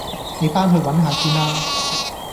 你返去搵下先啦